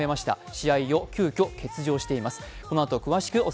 試合を急きょ欠場しています。